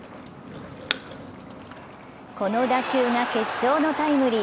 この打球が決勝のタイムリー。